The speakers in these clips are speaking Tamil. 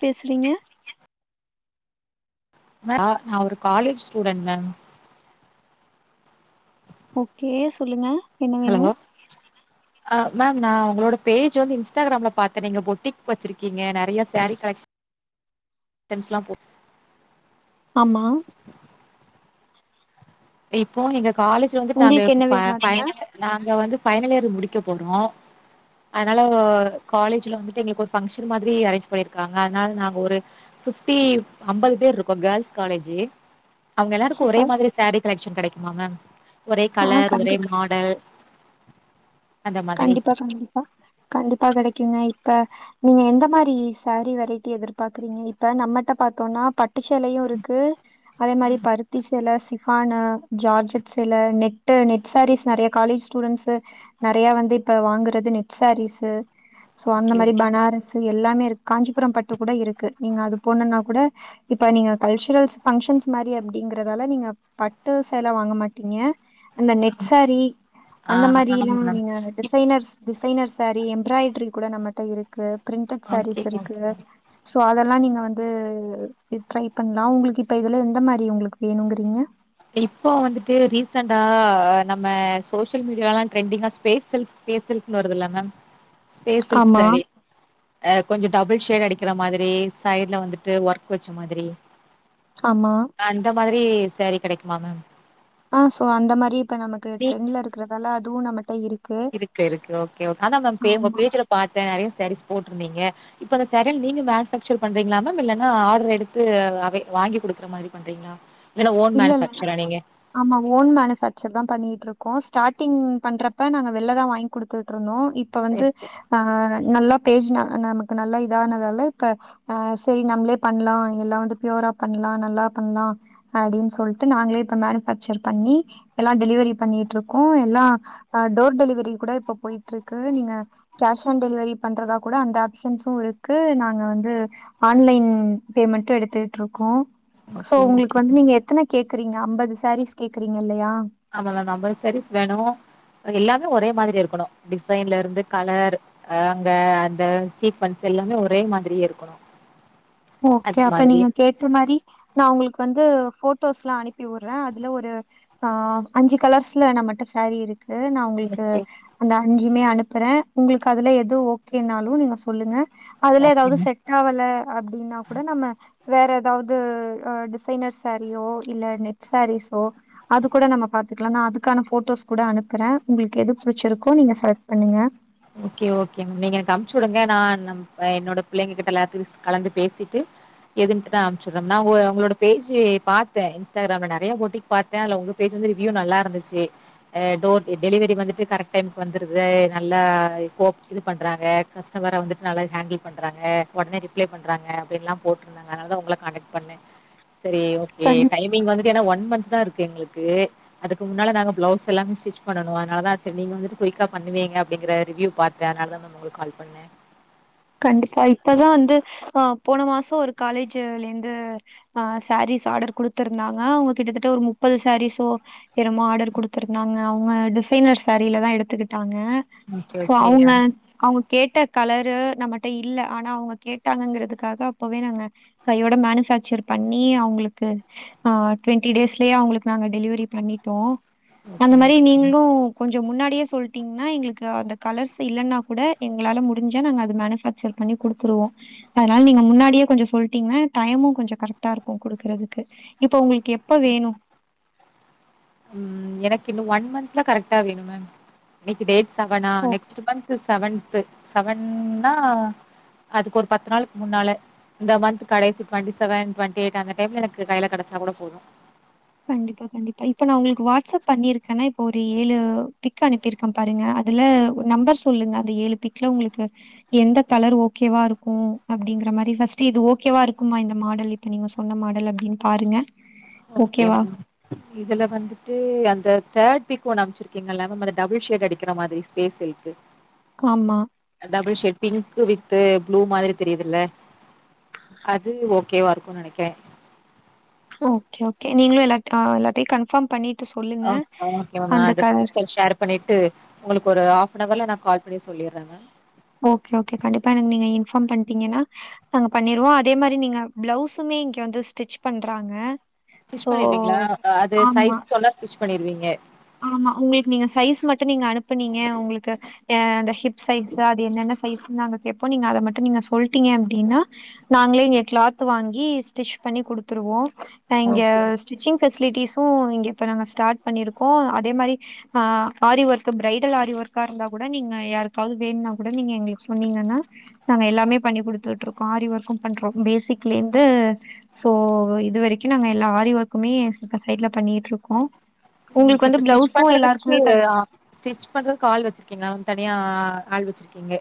பேசுறீங்க நா நா ஒரு காலேஜ் ஸ்டூடென்ட் மேம் ஓகே சொல்லுங்க என்ன வேணு ஹலங்கோ அ மேம் நா உங்களோட பேஜ் வந்து இன்ஸ்டாக்ராம்ல பாத்த நீங்க பொட்டிக் வச்சிருக்கீங்க நறியா சாரீ கலெக்ஷ் டென்ஸ்லா போ ஆமா ரிப்போ எங்க காலேஜ்ல வந்து தாங்க உங்களுக்கு என்ன பபா வேணு அதுல ஃபைனல் இய நாங்க வந்து ஃபைனல் இயர் முடிக்க போறோ அனால ஓ காலேஜ்ல வந்துட்டு எங்களுக் ஒர் ஃபங்க்ஷன் மாதிரி அரேஞ்ச் பண்ணிர்க்காங்க அதனால் நாங்க ஒரு ஃபிஃப்டி அம்பது பேர் ருக்கும் கேர்ள்ஸ் காலேஜு அவ்ங்க எல்லாருக்கு ஒரே சூப்பர் மாதிரி சாரீ கலெக்ஷன் கெடைக்குமா மே ஒரே ஆ கலர் ஒரே கண்டிப் மாடல் அந்த மாதிரி கண்டிப்பா கண்டிப்பா கண்டிப்பா கடைக்குங்க இப்ப நீங்க எந்த மாரி சாரீ வெரைட்டி எதிர்பாக்குறீங்க இப்ப நம்மட்ட பாத்தோனா பட் ட்டு ஷேலையு இருக்கு அதே மாரி ம் பருத்தி சேல சிக் ஆனா ஜார்ஜட் சில நெட்டு நெட் சாரீஸ் நறையா காலேஜ் ஸ்டூடண்ஸு நட் றையா வந்து இப்ப வாங்குறது நெட் சாரீஸு சோ அந்த ஓகே மாரி ஓகே பனாரஸ் து எல்லாமே இரு காஞ்சிபுரம் பட்டு கூட இருக்கு நீங்க அது போனுன்னா கூட இப்ப நீங்க கல்ச்சுரல்ஸ் ஃபங்க்ஷன்ஸ் மாரி அப்டிங்கறதால நீங்கப் பட்டு சேல வாங்க மாட்டீங்க அந்த நெட்சாரி ஆ அந்த ஆமா மாரில்லா மேம் யாங்கு டிசைனர்ஸ் டிசைனர் சேரி எம்ப்ராய்ட்ரி கூட நம்மட்ட இருக் கு ப்ரிண்டட் சாரீஸ் ஓகேங்க இருக்கு சோ அதல்லா நீங்க வந்து வித் ட்ரை பண்லா உங்ளுக்கு இப்ப இதுல எந்த மாரி உங்ளுக் வேணுங்குறீங்க இப்போ வந்துட்டு ரீசண்டா நம்ம சோஷியல் மீடியால ட்ரெண்டிங்கா ஸ்பேஸ் சில்க்ஸ் பேஸ் சில்க்னு வருதுயில்ல மேம் ஸ்பேஸ் சில்க் ஆமா. ஸ்பாடி ஆ கொஞ்சோ டபுள் ஷேட் அடிக்கிற மாதிரி சைட்ல வந்துட்டு ஒர்க் வச்ச மாதிரி ஆமா அந்த மாதிரி சாரி கெடைக்குமா மேம் ஆ சோ அந்த மாரி இப்ப நமக்கு நீ ட்ரெண்ட்ல இருக்றதால அதுவு நம்மட்ட இருக் இருக்கு இருக்கு ஓகே ஓக் ஆனா மேம் பே உங்க ஆமா. பேஜ்ஜுல பாத்தே நெறைய சாரீஸ் போட்ருந்தீங்க இப்ப அந்த சேரன் நீங்க மேனுஃபாக்சர் பண்றீங்ளா மேம் இல்லன்னா ஆட்ரு எடுத்து அவே வாங்கி குடுக்ற மாரி பண்றீங் ளா இலன்னா ஓன் இல்ல இல்ல மேனுஃபாக்ச்சரா நீங்க ஆமா ஓன் மேனுஃபேக்சர் தா பண்ணிட்ருக்கோ ஸ்டாடிங் பண்றப்ப நாங்க வெள்ல தா வாய் குடுத்துட்ருந்தோ இப் இப்ப வந்து சரி, சரி. ஆ நல்லா பேஜ்னா நமக்கு நல்லா இதானதால இப்ப ஆ செய் நம்ளே பண்லா எல்லா வந்து ப்யூரா பண்லா நல்லா பண்லா அடின் சொல்ட்டு நாங்களே இப்ப மேனுஃபேக்சர் பண்ணி எல்லா டெலிவரி பண்ணிட்ருக்கூ எல்லா அ டோர் டெலிவரி கூட இப்ப போய்ட்ருக்கு நீங்க கேஷ் ஆன் டெலிவரி பண்றதா கூட அந்த ஆப்ஷன்ஸு இருக்கு நாங்க வந்து ஆன்லைன் பேமெண்டும் எடுத்துட்ருக்கோ ஓகே ஓகே நீங்க எத்தன கேக்குறீங்க அம்பது சாரீஸ் கேக்றீங்க இல்லையா ஆமா மேம் அம்பது சாரீஸ் வேணு எல்லாமே ஒரே மாதிரி இருக்கணு டிசைன்லருந்து கலர் ஆ அங்க அந்த சீக்வன்ஸ் எல்லாமே ஒரே மாதிரியே இருக்கணு ஓகே அது அப்ப மாதிரி நீங்க கேட்ட மாரி நா உங்கள்க் வந்து ஃபோட்டோஸ்லா அனுப்பி வுர்றே அதுல ஒரு ஆ அஞ்சு கலர்ஸல நம்மட்ட சாரீ இருக்கு நா உங்குள்க்கு ஓகே அந்த அஞ்சுமே அனுப்புறே உங்ளுக்கு அதுல எது ஓகேனாலு நீங்க சொல்லுங்க அதுல ஓகேங்க ஏதாவ்து செட் ஆவல அப் அப்டினாகூட நம்ம வேற எதாவ்து டிசைனர் சாரியோ இல்ல நெட் சாரீஸோ அது கூட நம்ம பாத்துக்கலா நா அதுக்கான போட்டோஸ்கூட அனுப்புறே உங்குளுக்கு எது புடிச்சிருக்கோ நீங்க செலக்ட் பண்ணுங்க ஓகே ஓகே மேம் நீங்க எனக்கு அம்ச்சுடுங்க நான் அ என்னோட பிள்ளைங்ககிட்ட எல்லாத்தையு கலந்து பேசிட்டு எதுன்ட்டு நா அம்ச்சுற்ற நா உங்க உங்களோட பேஜு பாத்தே இன்ஸ்டாக்ராம்ல நறைய போட்டிங் பாத்தே அத்ல உங்க பேஜ் வந்து ரிவ்யூ நல்லா இருந்துச்சு ஆ டோ டெலிவரி வந்துட்டு கரெக்ட் டைமுக்கு வந்துருது நல் நல்லா இப்போ இது பண்றாங்க கஸ்டமரா வந்துட்டு நல்லா ஹேண்டில் பண்றாங்க உடனடி ரிப்ளை பண்றங்க அப்டின்லா போட்ருதாங்க அதுனாலதா உங்கள காட்டெக்ட் பண்ண செரி ஓகே கண்டிப் டைம் நீங்க வந்துட்டு எனா ஒன் மந்த்தா இருக்கு எங்குளுக்கு அதுக்கு முன்னால நாங்க ப்ளொவுஸ் எல்லாமே ஸட்ரிச் பண்ணனு அதனாலதா சேர் நீங்க வந்துட்டு குயிக்கா பண்ணுவீங்க அப்டிங்கற ரிவ்யூ பாத்த அதனாலதா மேம் உங்குளுக்கு கால் பண்ணே கண்டிப்பா இப்பதா வந்து ஆ போன மாசோ ஒரு காலேஜு இருந்து ஆ சாரீஸ் ஆடர் குடுத்திருந்தாங்க அவுங்க கிட்டத்தட்ட ஒரு முப்பது சாரீஸோ எனமோ ஆடர் குடுத்துருந்தாங்க அவுங்க டிசைனர் சாரிலதா எடுத்துகிட்டாங்க ஓகே, சோ ஓகே. அவுங்க ஆ. அவுங்க கேட்ட கலரு நம்மட்ட இல்ல ஆனா அவுங்க கேட்டாங்கங்கறதுக்காக அப்பவே நாங்க கையோட மேனுஃபேக்சர் பண்ணி அவுங்குளுக்கு ஆ டுவெண்டி டேஸ்லயே அவுங்குளுக்கு நாங்க டெலிவரி பண்ணிட்டோ ஓகே. அந்தமாரி நீங்ளு கொஞ்சோ முன்னாடியே சொல்டீங்னா எங்குளுக்கு அந்த கலர்ஸ் இல்லனாகூட எங்ளால முடிஞ்சா நாங்க அ இது மேனுஃபக்சர் பண்ணி குடுத்துருவோ அதனால நீங்க முன்னாடியே கொஞ்சோ சொல்ட்டீங்கனா டைமு கொஞ்சோ கரெக்டா இருக்கு குடுக்கறதுக்கு இப்ப உங்குளுக்கு எப்ப வேணு ம் எனக்கு இன்னு ஒன் மந்த்ல கரெக்டா வேணு மேம் இன்னிக்கு டேட் சவனா ஓ! நெக்ஸ்ட்டு மந்த்து சவன்து சவன்னா அதுக்கு ஒரு பத்து நாளுக் முன்னால இந்த மந்த் கடைச்சி டுவெண்டி செவன் டுவெி எய்க் அந்த டைம்ல எனக்கு கைல கடைச்சா கூட போது கண்டிப்பா கண்டிப்பா இப்ப நா உங்குளுக்கு வாட்ஸ்அப் பண்ணிருக்கன்னா இப்ப ஒரு ஏழு பிக் அனுப்பிருக் க்க பாருங்க அதுல ஒரு நம்பர் சொல்லுங்க அந்த ஏழு பிக்ல உங்குளுக்கு எந்த தலர் ஓகேவா இருக்கு அப்டிங்கற மாரி ஃபஸ்ட்டு இது ஓகேவா இருக்குமா இந்த மாடல் இப் இப்ப நீங்க சொன்ன மாடல் அப்டின் பாருங்க ஓகே ஓகேவா? மேம் இதுல வந்துட்டு அந்த தேர்ட் பீக் ஒன்னு அம்ச்சிருக்கீங்கல்ல மேம் அந்த டபுள் ஷேட் அடிக்கறமாதிரி ஸ்பேஸ் ஸில்கு [inaudible] ஆமா டபுள் ஷேட் பிங்க்கு வித்து ப்ளுமாரி தெரிதுல்ல அது ஓ கேவா இருக்கு நனைகுறே ஓகே ஓகே நீங்களு எல்ல ஆ எல்லார்டையு கன்பாம் பண்ணிட்டு சொல்லுங்க ஓகே ஓகே மேம் நா அந்த கலர் பிக்சர் ஷேர் பண்ணிட்டு உங்களுக்கு ஒரு ஆஃப்ஃபனவர்ல நா கால் பண்ணி சொல்லிறே மேம் ஓகே ஓகே கண்டிப்பா எனக் நீங்க இன்ஃபாம் பண்ட்டீங்கனா நாங்க பண்ணிருவோ அதேமாரி நீங்க ப்ளவுஸுமே இங்க வந்து ஸ்டிச் பண்றாங்க ஸ்டிச் ஸோ பண்ணிருவீங்ளா அது ஆமா. சைஸ் சொன்ன ஸ்டிச் பண்ணிருவீங்க ஆமா உங்குளுக்கு நீங்க சைஸ் மட்டு நீங்க அனுப்புனீங்க உங்குளுக்கு அ அந்த ஹிப் சைஸு அது என்னென்ன சைஸ்ன் நாங்க கேப்போ நீங்க அத மட்டு நீங்க சொல்டீங்க அப்டினா நாங்களே இங்க கிளாத் வாங்கி ஸ்டிச் பண்ணி குடுத்துருவோ நா இங்க ஓகே ஓகே ஸ்டிச்சிங் ஃபெஸ்லிட்டிஸு இங்க இப்போ நாங்க ஸ்டாட் பண்ணீருக்கோ அதே மாரி ஆ ஆரி ஒர்க்கு பிரைடல் ஆரி ஒர்க்கா இருந்தா கூட நீங்க யாருக்காவ்து வேணுனா கூட நீங்க எங்களுக் சொன்னீங்கன்னா நாங்க எல்லாமே பண்ணி குடுத்துட்ருக்கோ ஆரி ஒர்க்கு பண்றோ பேசிக்லேர்ந்து சோ இது வரைக்கு நாங்க எல்லா ஆரி ஒர்க்குமே ஸ் இப்ப சைட்ல பண்ணீட்ருக்கோ ஓகே இப்ப ஸ்டிச் பண்றதுக்கு ஆ தச்சு ஸ்டிச் பண்றதுக் ஆள் வெச்சிருக்கீங்ளாம் தனியா ஆள் வெச்சிருக்கீங்க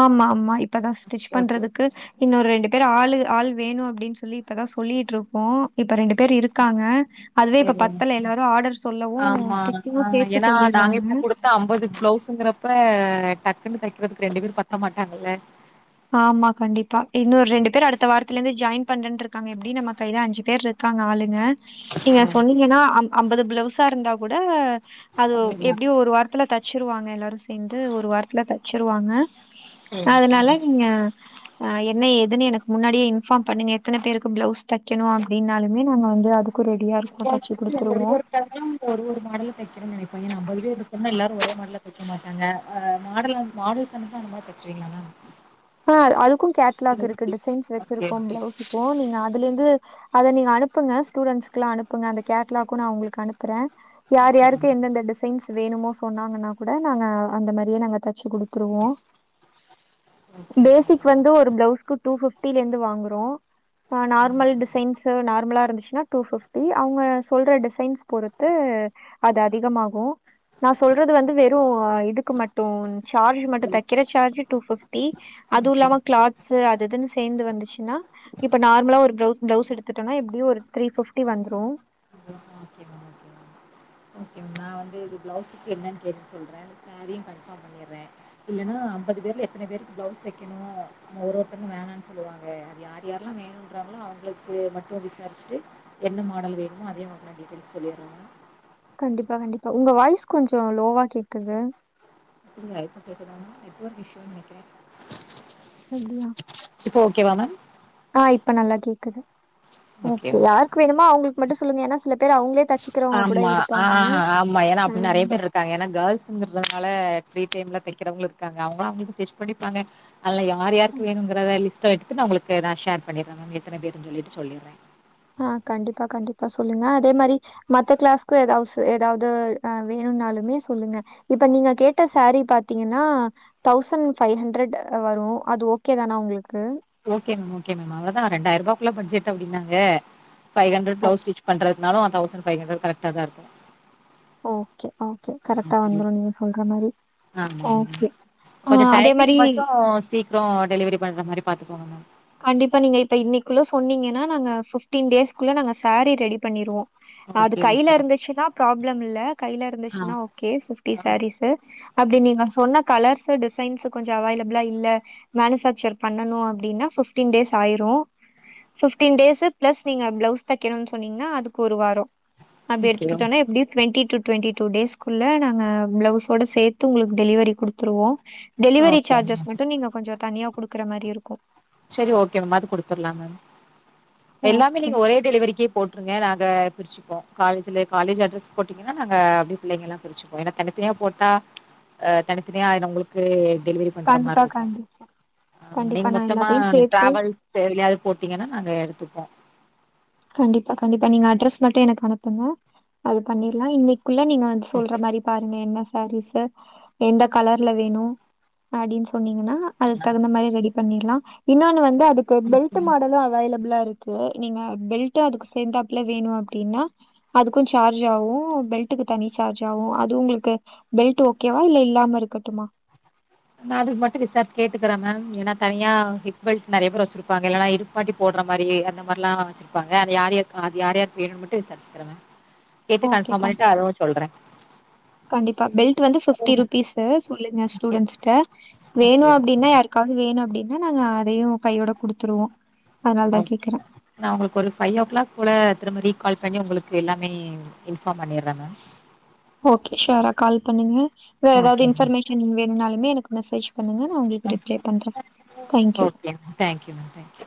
ஆமாமா இப்பதா ஸ்டிச் ஓகே பண்றதுக்கு இன்னு ரெண்டு பேர் ஆளுக ஆள் வேணு அப்டின் சொல்லி இப்பதா சொல்லீட்ருக்கோ இப்ப ரெண்டு பேர் இருக்காங்க அதுவே இப்ப சரி பத்தல எல்லாரு ஆடர் சொல்லவு ஆமா ஆ ஸ்டிச்சிங்கு சேத்து சொல்லீர்றாங்க னுங்கறப்ப டக்குனு தெக்கறதுக்கு ரெண்டு பேர் பத்த மாட்டாங்கல்ல ஆமா கண்டிப்பா இன்னு ரெண்டு பேர் அடுத்த வாரத்துல இருந்து ஜாய்ன் பண்றன்ருக்காங்க எப்டி நம்ம கைல அஞ்சு பேர்ருக் காங்க ஆளுங்க நீங்க சொன்னீங்கன்னா அம் அம்பது ப்ளவுஸா இருந்தா கூட அது பண்ணிர்லா எப்டியு ஒரு வாரத் துல தச்சிருவாங்க எல்லாரு சேந்து ஒரு வாரத்துல தச்சிருவாங்க சரி சரி அதுனால க ஆ என்ன ஏதுன்னு எனக் முன்னாடியே இன்ஃபாம் பண்ணுங்க எத்தன பேருக்கு பிளவுஸ் தைக்கணு அப்டின்னாலுமே நாங்க வந்து அது க்கு ரெடியா இருக்கோ தச்சு குடுத்துருவோ தங்களு ஒரு ஒரு மாடல்ல தெக்கனுன் நெனைப்பாய்ங்க ஏனா அம்பது பேர்ருக்கோம்னா எல்லாரு ஒரே மாடல்ல தெக் க மாட்டாங்க அ மாடல் வந் மாடல் தந்துட்டா அந்த மாரி தச்சிருவீங்ளா மேம் ஆ அது அதுக்கு கேட்லாக் இருக்கு டிசைன்ஸ் ஓகே ஓகே வெச்சிருக்கோ ஓகே பிளவுஸுக்கு நீங்க அ துலர்ந்து அத நீங்க அனுப்புங்க ஸ்டூடெண்ட்ஸ்க்குலா அனுப்புங்க அந்த கேட்லாக்கு நா உங்களுக்கு அனுப்பறே யார் ஓகே யாருக்கு மேம் எந்தெந்த டிசைன்ஸ் வேணுமோ சொன்னாங்கன்னா கூட நாங்க அந்த மாரியே நாங்க தச்சு குடுத்துருவோ okay ma'am basic okay ma'am வந்து ஒரு பிளவுஸ்க்கு டூ ஃபிஃப்டிலர்ந்து வாங்குறோ ஆ நார்மல் டிசைன்ஸ்ஸு நார்மலா இருந்துஸ்னா டூ ஃபிஃப்டி அவுங்க சொல்ற டிசைன்ஸ் பொறுத்து அது அதிகமாகு நா சொல்றது வந்து வெறு இதுக்கு மட்டு சார்ஜு மட்டு தைக்கிற சார்ஜு டூ ஃபிஃப்டி அது ஓகே ஓகே இல்லாம மேம் கிளாத்ஸு அது இதுன்னு சேந்து வந்துஸ்சுன்னா இப்ப நார்மலா ஒரு பிரவுஸ் பிளவுஸ் எடுத்துட்டம்னா எப்டியு ஒரு த்ரீ ஃபிஃப்டி வந்துரு [inaudible] okay ma'am okay ma'am okay ma'am நா வந்து இது பிளவுஸுக்கு என்னன் கேட்டுட் சொல்றே சாரியு கன்ஃபாம் பண்ணீர்றே இல்லனா அம்பது பேர்ல எத்தன பேருக்கு பிளவுஸ் தெக்கணு ஒரு ஒருத்தங்க வேணான் சொல்லுவாங்க அது யாரு யார்ல்லா வேணுறாங்ளோ அவுங்களுக்கு மட்டு விசார்ச்சிட்டு என்ன மாடல் வேணுமோ அதே மாடல்ல டீட்டெய்ல்ஸ் சொல்லீர்றே கண்டிப்பா கண்டிப்பா உங்க வாய்ஸ் கொஞ்சோ லோவா கேக்குது அப்டிங்களா இப்ப கேக்குதா மேம் நெட்வொர்க் இஷ்ஷுன் நெனைக்கிறே அப்டியா இப்ப ஓகேவா மேம் ஆ இப்ப நல்லா கேக்குது ஓகே யாருக்கு வேணுமோ அவுங்களுக்கு மட்டு சொல்லுங்க ஏனா சில பேர் அவுங்ளே ஆமா ஆ ஆமா ஏனா அப்டி நெறைய அதனா பேர்ருக் காங்க ஏனா கேள்ஸுங்கறதுனால ஃப்ரீ டைம்ல தெக்கிறவங்களு இர்க்காங்க அவுங்கலா அவுங்களுக்கு ஸ்டிச் பண்ணிப்பாங்க அதுல யார் யாருக்கு வேணுங்கறத லிஸ்ட்டா எடுத்துட் நா உங்களுக்கு நா ஷேர் பண்ணீர்றே மேம் எத்தன பேருன் சொல்லீட்டு சொல்லீர்றே ஆ கண்டிப்பா கண்டிப்பா சொல்லுங்க அதே மாரி மத்த கிளாஸ்க்கு எதாவ் சு எதாவ்து ஆ வேணுன்னாலுமே சொல்லுங்க இப்ப நீங்க கேட்ட சாரி பாத்தீங்கன்னா தௌசண்ட் ஃபைவ் ஹண்ட்ரட் வரும் அது ஓகே தானா உங்களுக்கு ஓகே மேம் ஓகே மேம் அவளதான் ரெண்டாயரூபாக்குள்ள பட்ஜெட்டு அப்டின்னாங்க பைவ் ஹண்ட்ரட் ஓ! பிளவுஸ் ஸ்டிச் பண்றதுக் குனாலும் தௌசண்ட் ஃபைவ் ஹண்ட்ரட் கரெக்ட்டா தான் இருக்கும் ஓகே ஓகே கரெக்ட்டா வந்துரும் நீங்க சொல்ற மாறி ஓகே ஆ கொஞ்சம் அதே டைமிங் மாரி மட்டும் சீக்கிரம் டெலிவரி பண்ற மாறி பாத்துக்கோங்க மேம் கண்டிப்பா நீங்க இப்ப இன்னைக்குள்ள சொன்னீங்கன்னா நாங்க ஃபிப்டீன் டேஸ்குள்ள நாங்க சாரீ ரெடி பண்ணிருவோம் மேம் அது ஓகே கைல ஓகே இருந்துச்சுன்னா ப்ராப்ளம் இல்ல கைல இருந்துச்சுன்னா ஓகே ஃபிப்டி ஆ சாரீஸு அப்படி நீங்க சொன்ன கலர்ஸ் டிசைன்ஸ் கொஞ்சம் அவைலபிளா இல்ல மேனுபேக்சர் பண்ணனும் அப்படின்னா ஃபிப்டீன் டேஸ் ஆயிரும் ஃபிப்டீன் டேஸு ப்ளஸ் நீங்க ப்ளவுஸ் தைக்கணும்னு சொன்னங்கன்னா அதுக்கு ஒரு வாரம் அப்டி ஓகே எடுத்துக்கிட்டோனா எப்டியும் டுவெண்ட்டி டூ டுவெண்ட்டி டூ டேஸ்க்குள்ள நாங்க பிளவுஸோட சேத்து உங்களுக்கு டெலிவரி குடுத்துருவோம் டெலிவரி ஓகே மேம் சார்ஜஸ் மட்டும் நீங்க கொஞ்சம் தனியா குடுக்குற மாரி என் இருக்கும் சேரி ஓகே மேம் அது குடுத்துடலாம் மேம் எல்லாமே ஓகே. நீங்க ஒரே டெலிவரிக்கே போட்ருங்க நாங்க பிரிச்சுப்போம் காலஜல காலேஜ் அட்ரஸ் போட்டீன்னா நாங்க அப்படியே பிள்ளைங்கல்லாம் பிர ஏன்னா தனித்தனியா போட்டா தனித்தனியா ஆய்டு உங்களுக்கு டெலிவரி பண்ற கண்டிப்பா மார்ருக்கும் கண்டிப்பா கண்டிப்பா நா எல்லத்தையு சேத்து யாவது போட்டீங்கன்னா நாங்க எடுத்துப்போம் கண்டிப்பா கண்டிப்பா நீங்க அட்ரஸ் மட்டும் எனக்கு அனுப்புங்க அது பண்ணிர்லாம் இன்னைக்குள்ள நீங்க சொல்ற ஓகே மாறி பாருங்க என்ன சாரீஸு எந்த கலர்ல வேணு அப்படின் சொன்னீங்கன்னா அதுக்கு தகுந்த மாறி ரெடி பண்ணிடலாம் இன்னொன்னு வந்து அதுக்கு பெல்ட் ஓகே மாடலும் அவைலபிளா இருக்கு க்கு நீங்க பெல்ட்டும் அதுக்கு சேந்தாப்புல வேணும் அப்டின்னா அதுக்கும் சார்ஜ் ஆகும் பெல்ட்டுக்கு தனி சார்ஜ் ஆகும் அது உங்களுக்கு பெல்ட் ஓகேவா இல்ல இல்லாம இருக்கட்டுமா நா அதுக்கு மட்டு விசாரிச்சு கேட்டுக்கற மேம் ஏன்னா தனியா ஹிப் பெல்ட் நெறய பேர் வச்சிருப்பாங்க இல்லனா இரு ட்டி போடுற மாதிரி அந்த மாறில்லா வச்சிருப்பாங்க அது யார் யார்க்கு அது யார் யார்க்கு வேணுனு மட்டு விசாரிச்சுக்குற மேம் எப்டி ஓகே கன்ஃபார்ம் பண்ணிட்டு கண்டிப்பா அதுவு சொல்றேன் கண்டிப்பா பெல்ட் வந்து ஃபிப்டி ருபீஸ்ஸு சொல்லுங்க ஓகே ஸ்டூடண்ட்ஸ் ட வேணு ஓகே அப்படின்னா யாருக்காவது வேணு அப்படின்னா நாங்க அதையு கையோட குடுத்துருவோம் அதனாலதா கேக்குறேன் நா உங்களுக்கு ஒரு ஃபைவ் ஓ கிளாக் போல திரும்ப ரீ கால் பண்ணி உங்களுக்கு எல்லாமே இன்ஃபார்ம் பண்ணிடுறேன் மேம் ஓகே ஷோரா கால் பண்ணுங்க வேற எதாவது ஓகே இன்பர்மேஷன் வேணும்னாலுமே எனக்கு மெசேஜ் பண்ணுங்க நா உங்களுக்கு மேம் ரிப்ளை பண்றேன் thank you okay ma'am thank you ma'am thank you